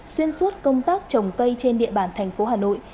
xuyên suốt công tác trồng cây trên địa bàn thành phố hà nội